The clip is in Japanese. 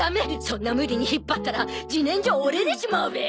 そんな無理に引っ張ったらじねんじょ折れでしまうべ！